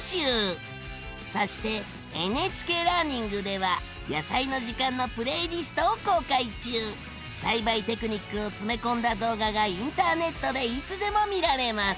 そしてＮＨＫラーニングでは「やさいの時間」のプレイリストを公開中！栽培テクニックを詰め込んだ動画がインターネットでいつでも見られます！